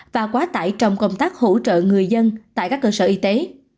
và quá tải trong công tác hỗ trợ người dân tại các cơ sở y tế